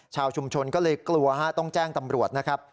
ชาวชุมชนก็เลยกลัวฮะต้องแจ้งตำรวจนะครับ